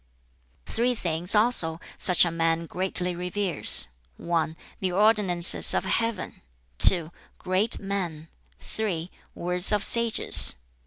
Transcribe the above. "Three things also such a man greatly reveres: (1) the ordinances of Heaven, (2) great men, (3) words of sages.